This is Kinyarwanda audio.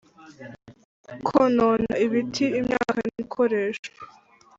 konona ibiti imyaka n ibikoresho